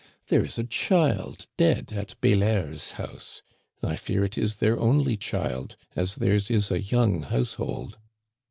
There is a child dead at Bélair's house. I fear it is their only child, as theirs is a young household."